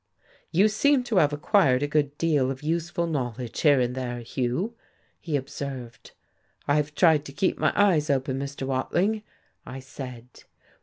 "You seem to have acquired a good deal of useful knowledge, here and there, Hugh," he observed. "I've tried to keep my eyes open, Mr. Watling," I said.